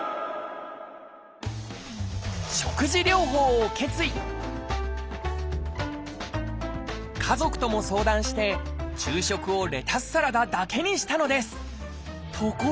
食事療法を決意家族とも相談して昼食をレタスサラダだけにしたのです。